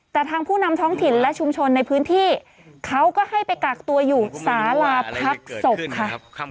แต่ทางผู้นำท้องถิ่นและชุมชนในพื้นที่เขาก็ให้ไปกักตัวอยู่สาราพักศพค่ะ